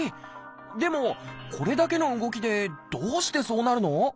でもこれだけの動きでどうしてそうなるの？